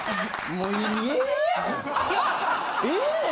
もうええやん！